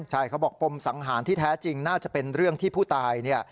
ใช่เขาบอกปมสังหารที่แท้จริงน่าจะเป็นเรื่องที่ผู้ตายเนี่ย